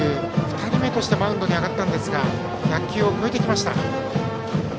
２人目としてマウンドに上がったんですが１００球を超えてきました。